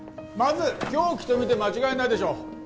まず凶器と見て間違いないでしょう